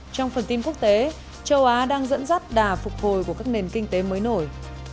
trong phần tin quốc tế châu á đang dẫn dắt đà phục hồi của các nền kinh tế mới nổi